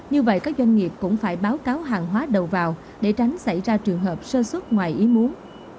như vậy các doanh nghiệp cũng phải báo cáo hàng hóa đầu vào để tránh xảy ra trường hợp sơ xuất ngoài ý muốn